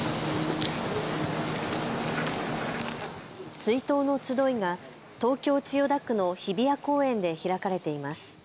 追悼のつどいが東京千代田区の日比谷公園で開かれています。